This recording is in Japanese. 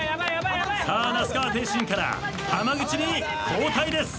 那須川天心から濱口に交代です。